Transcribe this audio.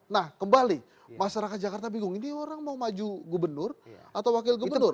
nah kembali masyarakat jakarta bingung ini orang mau maju gubernur atau wakil gubernur